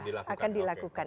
iya akan dilakukan